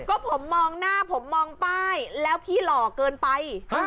ก็ผมมองหน้าผมมองป้ายแล้วพี่หล่อเกินไป